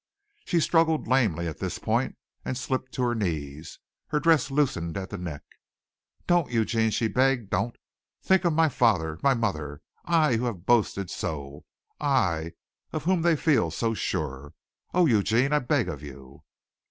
She struggled lamely at this point and slipped to her knees, her dress loosened at the neck. "Don't, Eugene," she begged, "don't. Think of my father, my mother. I, who have boasted so. I of whom they feel so sure. Oh, Eugene, I beg of you!"